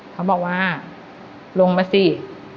เขาบอกว่าลงมาสิ